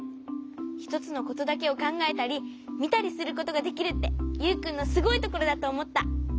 ひとつのことだけをかんがえたりみたりすることができるってユウくんのすごいところだとおもった。